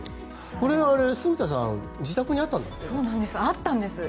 住田さん自宅にあったんだって？